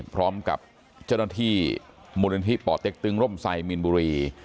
พร้อมกับเจ้าหน้าที่มูลนิธิป่อเต็กตึงร่มไซมีนบุรี